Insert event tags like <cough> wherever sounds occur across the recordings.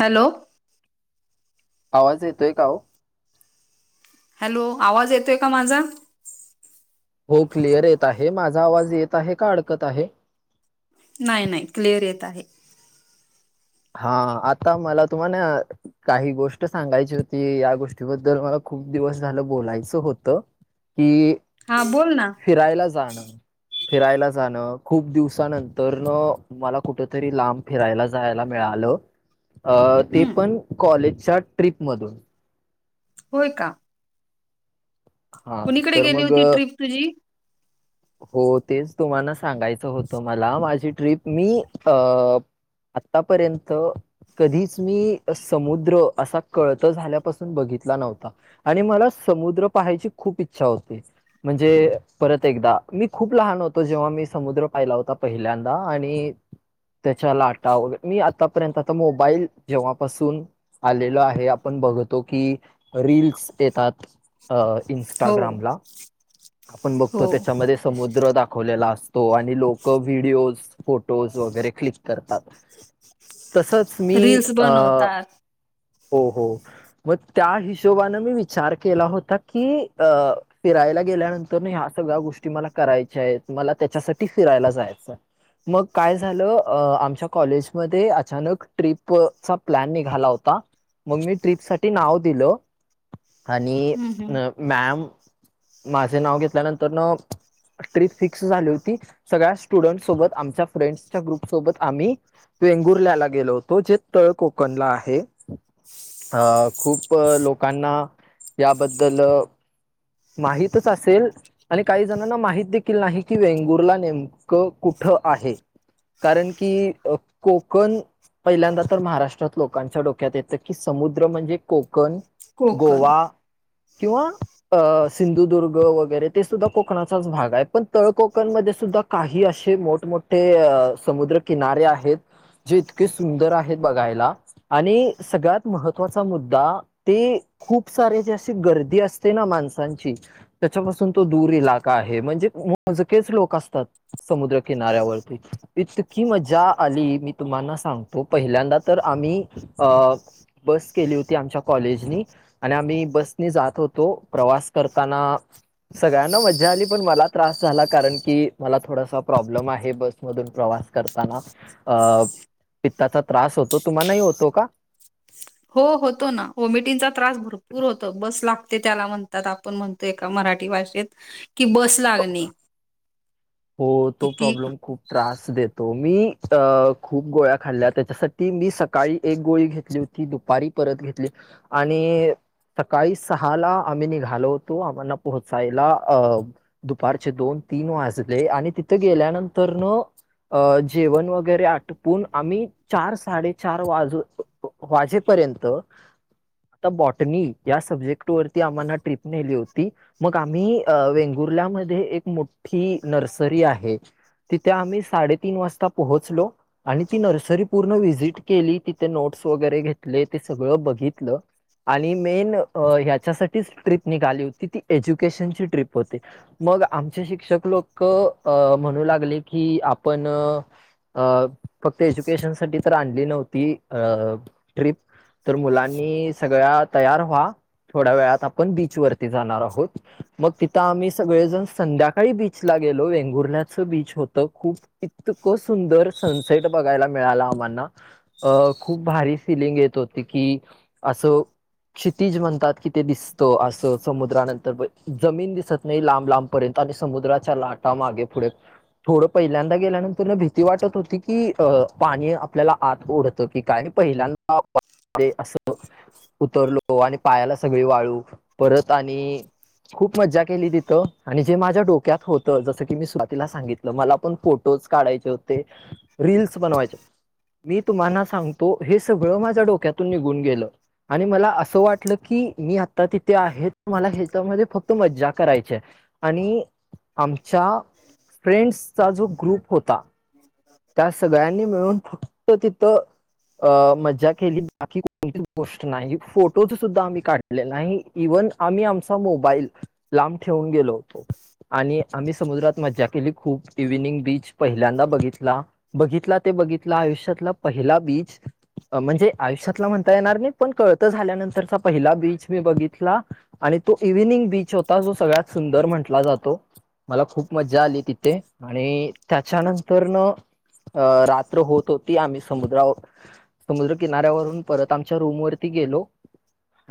Hello! आवाज येतोय का ओ? हॅलो आवाज येतोय का माझा? हो क्लिअर येत आहे माझा आवाज येत आहे का अडकत आहे? नाही नाही क्लिअर येत आहे. हा आता मला तुम्हानं काही गोष्ट सांगायची होती, या गोष्टीबद्दल मला खूप दिवस झालं बोलायचं होतं. की हां बोल ना फिरायला जाणं फिरायला जाणं, खूप दिवसानंतरन मला कुठ तरी लांब फिरायला जायला मिळालं, ते हम्म पण कॉलेजच्या ट्रीप मधून. होय का? हा कुणीकडे तर गेली मग होती ट्रिप तुझी हो तेच तुम्हाला सांगायचं होतं मला, माझी ट्रीप मी अ आतापर्यंत कधीच मी समुद्र असा कळतं झाल्यापासून बघितला नव्हता. आणि मला समुद्र पाहायची खूप इच्छा होती. म्हणजे, परत एकदा मी खूप लहान होतो जेव्हा मी समुद्र पाहिला होता पहिल्यांदा आणि त्येच्या आटा वगैे, मी आतापर्यंत आता मोबाईल जेव्हापासून आलेलो आहे, आपण बघतो की रील्स येतात इन्स्ट. हो स्टाग्रामला आपण हो बघतो त्येच्यामध्ये समुद्र दाखवलेला असतो आणि लोक व्हिडिओज फोटोज वगैरे क्लिक करतात तसच मी रील्स अ बनवतात हो, हो मग त्या हिशोबाने मी विचार केला होता की अ फिरायला गेल्यानंतरनं ह्या सगळ्या गोष्टी मला करायच्या आहेत, मला त्याच्यासाठी फिरायला जायचं हाय मग काय झालं आमच्या कॉलेजमध्ये अचानक ट्रिपं चा प्लॅन निघाला होता, मग मी ट्रीप साठी नाव दिलं आणि हम्म हम्म अ मॅम माझे नाव घेतल्यानंतरन ट्रिप फिक्स झाली होती सगळ्या स्टुडन्ट सोबत आमच्या फ्रेंड्सच्या ग्रुप सोबत आम्ही वेंगुर्ल्याला गेलो होतो, जे तळ कोकणला आहे. अ, खूप लोकांना याबद्दल माहीतच असेल आणि काही जणांना माहित देखील नाही की वेंगुर्ला नेमकं कुठं आहे. कारण की कोकण पहिल्यांदा तर महाराष्ट्रात डोक्यात येतं की समुद्र म्हणजे कोकण कोकण गोवा किंवा अ, सिंधुदुर्ग वगैरे ते सुद्धा कोकणाचाच भाग हाय पण तळ कोकणमध्ये सुद्धा काही असे मोठमोठे समुद्रकिनारे आहेत जे इतके सुंदर आहेत बघायला. आणि सगळ्यात महत्त्वाचा मुद्दा ते खूप सारे जे अशी गर्दी असते ना माणसांची त्याच्यापासून तो दूर इलाका आहे, म्हणजे मोजकेच लोक असतात. समुद्र किनाऱ्यावरती, इतकी मजा आली मी तुम्हाना सांग तो पहिल्यांदा तर आम्ही अ बस केली होती आमच्या कॉलेजनी आणि आम्ही बसनी जात होतो. प्रवास करताना सगळ्यांना मजा आली, पण मला त्रास झाला, कारण की मला थोडासा प्रॉब्लेम आहे बस मधून प्रवास करताना, अ. पित्ताचा त्रास होतो, तुम्हांनाही होतो का? हो होतो ना,, वोमिटिंगचा त्रास भरपूर होतो, बस लागते त्याला म्हणतात आपण म्हण तो एका मराठी भाषेत, कि बस लागणे हो तो किती प्रॉब्लेम खूप. त्रास देतो मी, अ खूप गोळ्या खाल्ल्या त्याच्यासाठी, मी सकाळी एक गोळी घेतली होती ती दुपारी परत घेतली, आणि सकाळी सहाला आम्ही निघालो होतो, आम्हाला पोहोचायला अ. दुपारचे दोन तीन वाजले, आणि तिथं गेल्यानंतर न. अ जेवण वगैरे आटपून, आम्ही चार साडे चार वाजू. वाजेपर्यंत तर बॉटनी, या सब्जेक्ट वरती आम्हाला ट्रिप नेली होती. मग आम्ही, अ वेंगुर्ल्यामध्ये एक मोठी नर्सरी आहे.. तिथे आम्ही साडेतीन वाजता पोहोचलो. आणि ती नर्सरी पूर्ण व्हिजिट केली, तिथे नोट्स वगैरे घेतले, ते सगळं बघितलं. आणि मेन, ह्याच्यासाठीच ट्रीप निघाली होती ती एज्युकेशनची ट्रीप होती. मग आमचे शिक्षक लोकं अ म्हणू लागले की आपण. अ फक्त एज्युकेशन तर आणली नव्हती, अ ट्रिप. तर मुलांनी सगळ्या तयार व्हा थोड्या वेळात आपण बीच वरती जाणार आहोत, मग तिथं आम्ही सगळेजण संध्याकाळी बीच बीच ला गेलो, वेंगुर्ण्याचं बीच होतं खूप इतकं सुंदर सनसेट बघायला मिळाला आम्हाना. अ खूप भारी फिलिंग येत होती की असं क्षितिज म्हणतात कि ते दिसतं, असं समुद्रानंतर पण जमीन दिसत नाही लांब लांबपर्यंत, आणि समुद्राच्या लाटामागे पुढे थोडं पहिल्यांदा गेल्यानंतर भीती वाटत होती की, अ पाणी आपल्याला आत ओढतं की काय पहिल्यांदा पाहिले असं उतरलो आणि पायाला सगळी वाळू, परत आणि खूप मज्जा केली तिथं, आणि जे माझ्या डोक्यात होतं,, जसं की मी स्वातीला सांगितलं, मला पण फोटोज काढायचे होते रीलस बनवायच्या,,, मी तुम्हाना सांगतो,, हे सगळं माझ्या डोक्यातून निघून गेलं. आणि मला असं वाटलं,, की मी आता तिथे आहे, मला हच्यामध्ये फक्त मज्जा करायचीय. आणि आमच्या फ्रेंड्सचा जो ग्रुप होता त्या सगळ्यांनी मिळून फक्त तिथं अ मज्जा केली,, बाकी कोणतीच गोष्ट नाही, फोटोज सुद्धा आम्ही काढ ले नाही,,, इव्हन आम्ही आमचा मोबाईल, लांब ठेवून गेलो होतो. आणि आम्ही समुद्रात मज्जा केली खूप,, इव्हनिंग बीच पहिल्यांदा बघितला. बघीतला ते बघीतला आयुष्यातला पहिला बीच म्हणजे आयुष्यातला म्हणता येणार नाही, पण कळतं झाल्यानंतरचा पहिला बीच मी बघितला. आणि तो इव्हिनिंग बीच होता, जो सगळ्यात सुंदर म्हटला जातो. मला खूप मज्जा आली तिथे, आणि त्याच्यानंतरनं अ रात्र होत होती, आम्ही समुद्रावर समुद्र किनाऱ्यावरून परत आमच्या रूम वरती गेलो.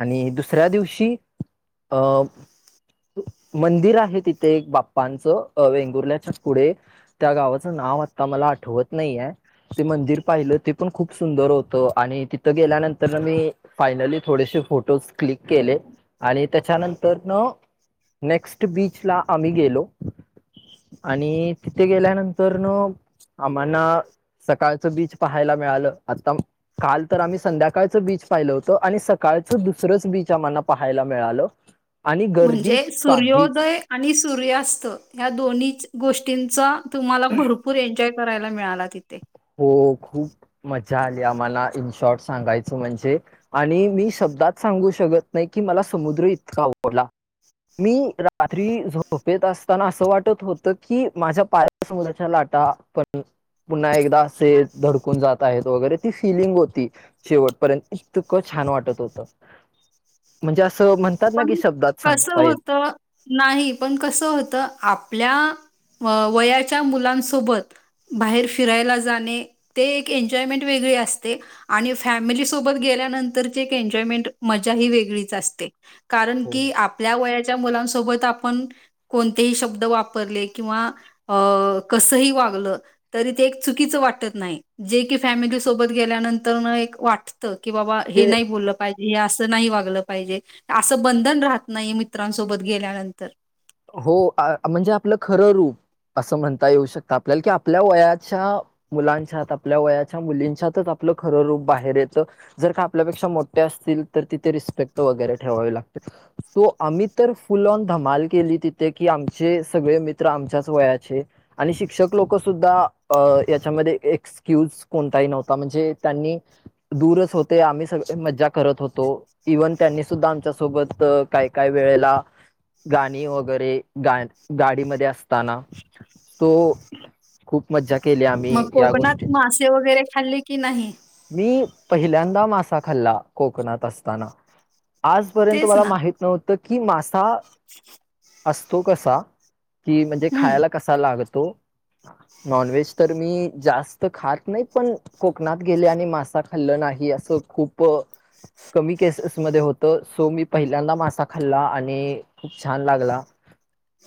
आणि दुसऱ्या दिवशी अ मंदिर आहे तिथ ते एक बाप्पांचं वेंगुर्ल्याच्या पुढे त्या गावाचं नाव आता मला आठवत नाहीय. ते मंदिर पाहिलं ते पण खूप सुंदर होतं. आणि तिथं गेल्यानंतर मी फायनली थोडेसे फोटोज क्लिक केले आणि त्याच्यानंतर न नेक्स्ट बीचला आम्ही गेलो. आणि तिथे गेल्यानंतर न आम्हाला सकाळचं बीच पाहायला मिळालं. आता काल तर आम्ही संध्याकाळचं बीच पाहिल होतं. आणि सकाळचं दुसरंच बीच आम्हाला पाहायला मिळालं. आणि गर्दी म्हणजे काहीच सूर्योदय आणि सूर्यास्त या दोन्ही गोष्टींचा तुम्हाला भरपूर एन्जॉय, करायला मिळाला तिथे, हो खूप मजा आली आम्हाला, इन शॉर्ट सांगायचं म्हणजे, आणि मी शब्दात सांगू शकत नाही की, मला समुद्र इतका आवडला. मी रात्री झोपेत असताना असं वाटत होतं की, माझ्या पाया समुद्राच्या लाटा पण पुन्हा एकदा दास धडकून जात आहेत वगैरे ती फिलिंग होती. शेवटपर्यंत इतक छान वाटत होत म्हणजे असं म्हण पण कस होत. नाही पण कसं होतं आपल्या वयाच्या मुलांसोबत बाहेर फिरायला जाणे ते एक एन्जॉयमेंट वेगळी असते. आणि फॅमिली सोबत गेल्यानंतरची एक एन्जॉयमेंट मजा ही वेगळीच असते. कारण हो की आपल्या वयाच्या मुलांसोबत आपण कोणतेही शब्द वापरले किंवा अ कसही वागलं. तरी ते एक चुकीच वाटत नाही जे की, फॅमिली सोबत गेल्यानंतर एक वाट त की बाबा हे ते नाही बोललं पाहिजे हे असं नाही वागलं पाहिजे. असं बंधन राहत नाही मित्रांसोबत गेल्यानंतर हो म्हणजे आपलं खरं रूप असं म्हणता येऊ शकत. आपल्याला की आपल्या वयाच्या मुलांच्यात आपल्या वयाच्या मुलींच्यातच आपलं खर रूप बाहेर येत. जर का आपल्यापेक्षा मोठे असतील तर तिथे रिस्पेक्ट वगैरे ठेवावे. तो आम्ही तर फुल ऑन धमाल केली. तिथे की आमचे सगळे मित्र आमच्याच वयाचे आणि शिक्षक लोकसुद्धा अ याच्यामध्ये एक स्क्यूज कोणताही नव्हता म्हणजे त्यांनी दूरच होते आम्ही सगळी मज्जा करत होतो. इव्हन त्यांनी सुद्धा आमच्यासोबत काय-काय वेळेला गाणी वगैरे ते गा गाडी मध्ये असताना तो खूप मज्जा केले आम्ही मग या कोकणात गोष्टीची. मासे वगैरे खाल्ली की नाही, मी पहिल्यांदा मासा खाल्ला, कोकणात असताना आजपर्यंत मला माहित नव्हतं की मासा ह <unintelligible> असतो कसा की, म्हणजे हम्म खायला कसा लागतो नॉन व्हेज तर मी जास्त खात नाही. पण कोकणात गेले आणि मासा खाल्लं नाही असं खूप कमी केसेसमध्येध्ये होत सो मी पहिल्यांदा मासा खाल्ला आणि खूप छान लागला.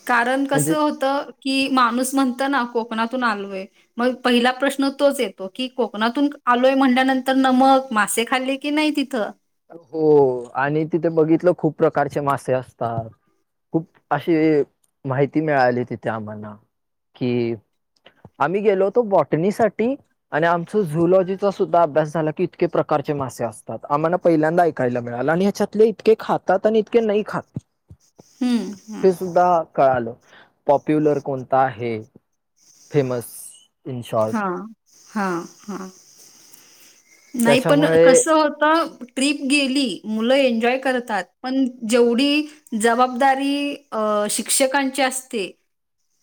कारण कस म्हणजे होत की माणूस म्हणत ना कोकणातून आलोय. मग पहिला प्रश्न तोच येतो, की कोकणातून आलोय म्हणल्यानंतर नमक मासे खाली. की नाही तिथं, हो.. आणि तिथे बघितलं खूप प्रकारचे मासे असतात. खूप अशी माहिती मिळाली तिथे आम्हाला कि.. आम्ही गेलो होतो बॉटणीसाठीठी. आणि आमचं झुलॉजीचा सुद्धा अभ्यास झाला की इतके प्रकारचे मासे असतात, आम्हाला. पहिल्यांदा ऐकायला मिळाला आणि ह्याच्यातले इतके खातात आणि इतके नाही खातात. हम्म हम्म ते सुद्धा कळालं. पॉप्युलर कोणता आहे फेमस इन शॉर्ट. हा, हा.. नाही पण त्याच्यामुळे कस होत आ ट्रिप गेली. मुलं एन्जॉय करतात. पण जेवढी. जबाबदारी अ शिक्षकांची असते.?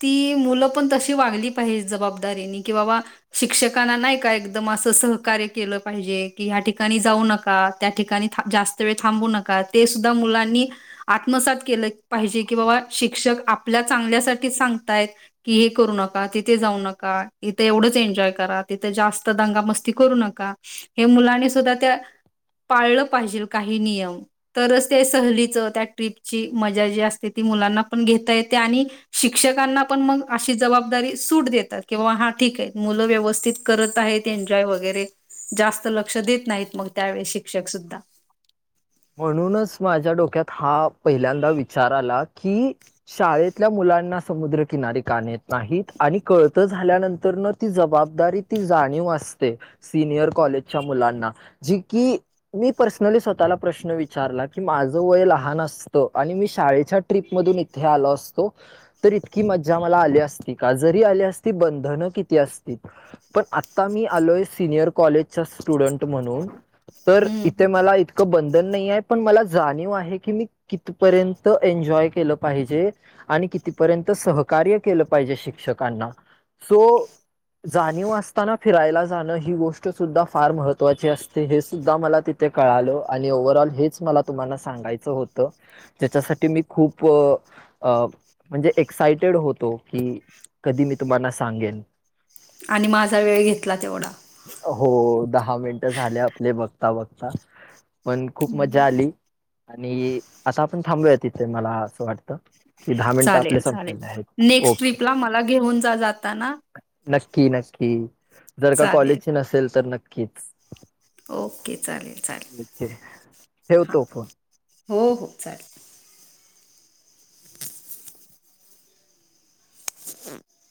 ती मुलं पण तशी वागली पाहिजे, जबाबदारीनी कि बाबा. शिक्षकांना नाही का एकदम असं सहकार्य केलं पाहिजे. की ह्या ठिकाणी जाऊ नका. त्या ठिकाणी जास्त वेळ थांबू नका ते सुद्धा मुलांनी. आत्मसात केलं पाहिजे. की बाबा शिक्षक आपल्या चांगल्यासाठी सांगतायत. कि.. हे करू नका तिथे जाऊ नका. इथं एवढंच एन्जॉय करा तिथे जास्त दंगामस्ती करू नका हे मुलांनी सुद्धा त्या. पाळलं पाहिजे काही नियम. तरच, ते सहलीचं त्या ट्रीपची मजा जी असते ती मुलांना पण घेता येते, आणि शिक्षकांना पण मग अशी जबाबदारी सूट देतात. किंवा. ठीक आहे मुलं व्यवस्थित करत आहेत एन्जॉय वगैरे जास्त लक्ष देत नाहीत मग त्यावेळी शिक्षक सुद्धा. म्हणूनच माझ्या डोक्यात हा पहिल्यांदा विचार आला की शाळेतल्या मुलांना समुद्रकिनारी का न्हेत नाहीत, आणि कळतं झाल्यानंतर ती जबाबदारी, ती जाणीव असते. सिनियर कॉलेजच्या मुलांना, जी की मी पर्सनली स्वतःला प्रश्न विचारला, की माझं वय लहान अस आणि मी शाळेच्या ट्र्रीप मधून इथे आलो असतो तर इतकी मज्जा मला आली का, जरी आली असती बंधनं किती असती. पण आत्ता मी आलोय सिनियर कॉलेजच्या स्टुडंट म्हणून तर, हम्म इथे मला इ इतक बंधन नाही आहे, पण मला जाणीव आहे. की मी कितपर्यंत एन्जॉय केलं पाहिजे? आणि कितीपर्यंत सहकार्य केलं पाहिजे शिक्षकांना, सो जाणीव असताना फिरायला जाणं ही गोष्ट सुद्धा फार महत्त्वाची असते, हे सुद्धा मला ति ते कळालं आणि ओव्हरऑल हेच मला तुम्हाला सांगायचं होतं? त्याच्यासाठी मी खूप अ म्हणजे एक्सायटेड होतो की, कधी मी तुम्हाला सांगेन. आणि माझा वेळ घेतला तेवढा. हो... दहा मिनटं झाले आपले बघता-बघता. पण खूप मज्जा आली, आणि आता आपण थांबूया इथे मला असं वाटतं. कि दहा मिनिटं आपले चालेल संपलेले चालेल आहेत, नेक्स्ट ओके. ट्रिपला मला घेऊन जा जाताना नक्की-नक्की, जर का कॉलेजची चालेल नसेल तर, नक्कीच. ओके चालेल चालेल. ओके हां ठेवतो. हो हो चालेल. म <inaudible>